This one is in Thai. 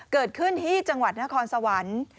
เกิดขึ้นที่จังหวัดนครสวรรค์